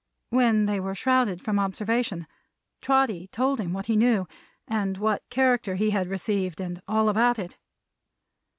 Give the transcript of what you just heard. When they were shrouded from observation, Trotty told him what he knew, and what character he had received, and all about it.